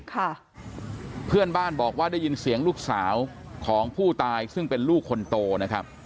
ค่ะเพื่อนบ้านบอกว่าได้ยินเสียงลูกสาวของผู้ตายซึ่งเป็นลูกคนโตนะครับ